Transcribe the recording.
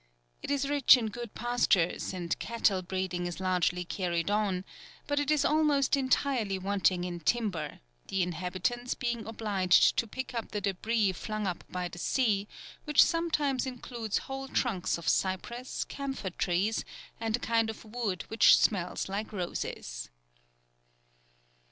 It is rich in good pastures, and cattle breeding is largely carried on, but it is almost entirely wanting in timber, the inhabitants being obliged to pick up the débris flung up by the sea, which sometimes includes whole trunks of cypress, camphor trees, and a kind of wood which smells like roses.